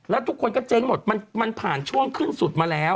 แล้วทุกคนก็เจ๊งหมดมันผ่านช่วงขึ้นสุดมาแล้ว